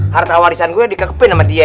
harta warisan gue dikekepin sama dia